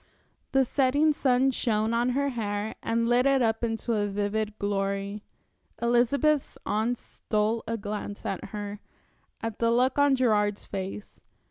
The setting sun shone on her hair and lit it up into a vivid glory. Elizabeth's aunts stole a glance at her, at the look on Gerard's face.